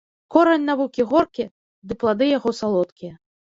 Корань навукі горкі, ды плады яго салодкія